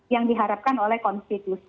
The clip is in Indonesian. yang diharapkan oleh konstitusi